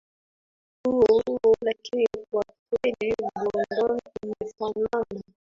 huo huo lakini kwa kwelibLondon inafanana